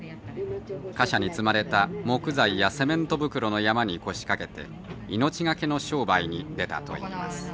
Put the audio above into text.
貨車に積まれた木材やセメント袋の山に腰掛けて命懸けの商売に出たといいます。